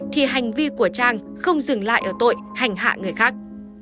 thì hành vi của trang không dừng lại ở tội hành hạ người khác